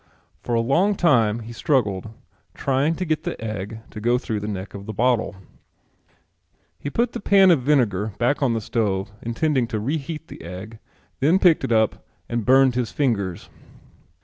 For a long time he struggled, trying to get the egg to go through the neck of the bottle. He put the pan of vinegar back on the stove, intending to reheat the egg, then picked it up and burned his fingers.